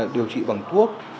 điều trị bằng thuốc